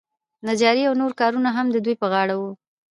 نجاري او نور کارونه هم د دوی په غاړه وو.